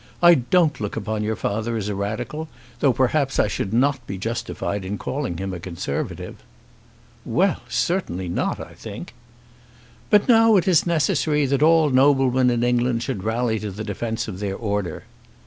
I don't look upon your father as a Radical, though perhaps I should not be justified in calling him a Conservative." "Well; certainly not, I think." "But now it is necessary that all noblemen in England should rally to the defence of their order."